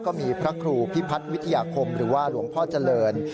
ก็มีพระครูพิพัฒน์วิทยาคมหรือว่าหลวงพ่อเจริญ